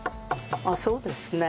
ああそうですね。